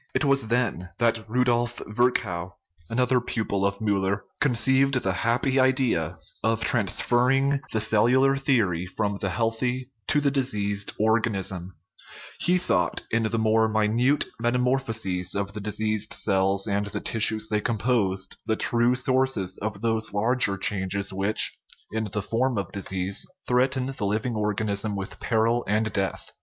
49 THE RIDDLE OF THE UNIVERSE It was then that Rudolf Virchow, another pupil oi Miiller, conceived the happy idea of transferring the cellular theory from the healthy to the diseased organ ism ; he sought in the more minute metamorphoses of the diseased cells and the tissues they composed the true source of those larger changes which, in the form of disease, threaten the living organism with peril and death.